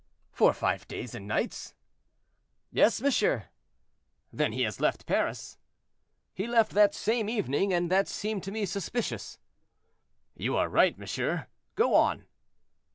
"For five days and nights?" "Yes, monsieur." "Then he has left Paris?" "He left that same evening, and that seemed to me suspicious." "You are right, monsieur, go on."